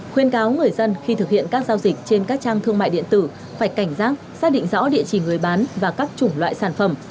khuyên cáo người dân khi thực hiện các giao dịch trên các trang thương mại điện tử phải cảnh giác xác định rõ địa chỉ người bán và các chủng loại sản phẩm